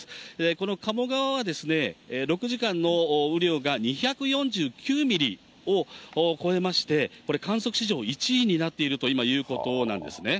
この鴨川は６時間の雨量が２４９ミリを超えまして、これ、観測史上１位になっているという、今いうことなんですね。